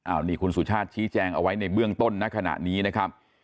อันนี้คุณสุชาติชี้แจงเอาไว้ในเบื้องต้นณขณะนี้นะครับ